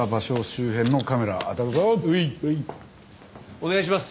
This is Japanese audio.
お願いします。